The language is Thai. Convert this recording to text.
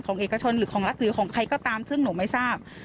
เอกชนหรือของรัฐหรือของใครก็ตามซึ่งหนูไม่ทราบ